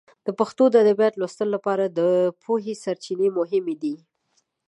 د پښتو د ادبیاتو د لوستلو لپاره د پوهې سرچینې مهمې دي.